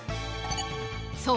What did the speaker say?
そう。